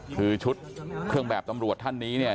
คือชุดเครื่องแบบตำรวจท่านนี้เนี่ย